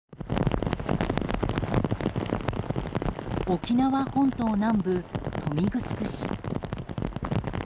沖縄本島南部、豊見城市。